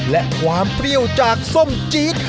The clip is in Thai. และความเปรี้ยวจากส้มจี๊ด